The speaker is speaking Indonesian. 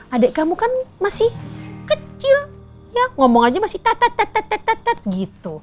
adik kamu kan masih kecil ya ngomong aja masih tatat gitu